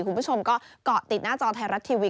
คุณผู้ชมก็เกาะติดหน้าจอไทยรัฐทีวี